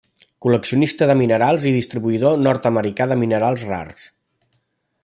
Col·leccionista de minerals i distribuïdor nord-americà de minerals rars.